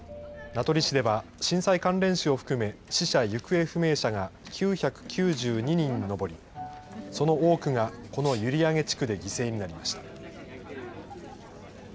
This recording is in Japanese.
名取市では震災関連死を含め、死者・行方不明者が９９２人に上り、その多くがこの閖上地区で犠牲になりました。